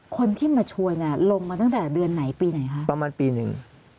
คนที่มาชวนเนี่ยลงมาตั้งแต่เดือนไหนปีไหนคะประมาณปีหนึ่ง